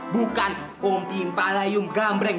bukan om pimpalayum gamreng